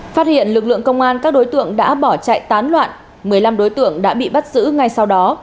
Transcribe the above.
phát hiện lực lượng công an các đối tượng đã bỏ chạy tán loạn một mươi năm đối tượng đã bị bắt giữ ngay sau đó